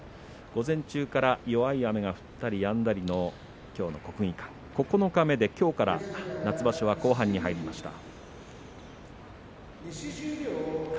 午前中から、弱い雨が降ったりやんだりのきょうの国技館、九日目きょうから夏場所は後半に入りました。